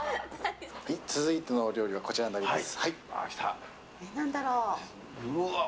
続いてのお料理はこちらになります。